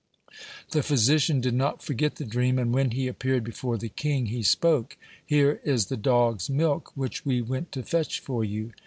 The physician did not forget the dream, and when he appeared before the king, he spoke: "Here is the dog's milk which we went to fetch for you."